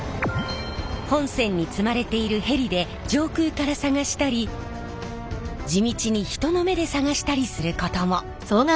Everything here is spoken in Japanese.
本船に積まれているヘリで上空から探したり地道に人の目で探したりすることも。